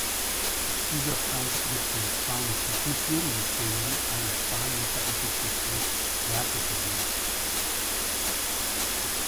Dieser Preis wird vom spanischen Kulturministerium an in Spanien veröffentlichte Werke verliehen.